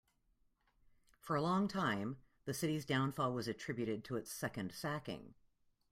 For a long time, the city's downfall was attributed to its second sacking.